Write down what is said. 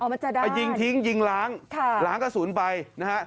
มันจะได้ไปยิงทิ้งยิงล้างค่ะล้างกระสุนไปนะฮะ